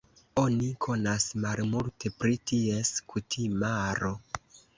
Oni konas malmulte pri ties kutimaro.